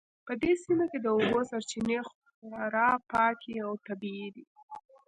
په دې سیمه کې د اوبو سرچینې خورا پاکې او طبیعي دي